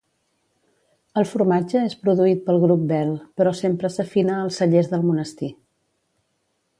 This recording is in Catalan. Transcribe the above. El formatge és produït pel grup Bel, però sempre s'afina als cellers del monestir.